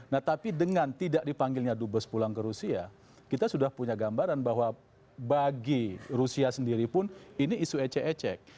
nah tapi dengan tidak dipanggilnya dubes pulang ke rusia kita sudah punya gambaran bahwa bagi rusia sendiri pun ini isu ecek ecek